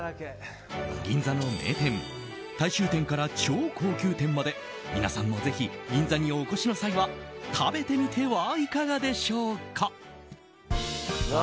銀座の名店大衆店から超高級店まで皆さんもぜひ銀座にお越しの際は食べてみてはいかがでしょうか？